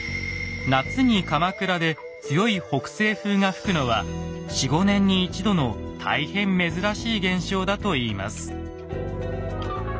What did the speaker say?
夏に鎌倉で強い北西風が吹くのは４５年に一度の大変珍しい現象だといいます。